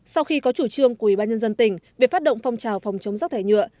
sau khi có chủ trương của ủy ban nhân dân tỉnh về phát động phong trào phòng chống rác thải nhựa